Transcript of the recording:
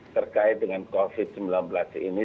terkait dengan covid sembilan belas ini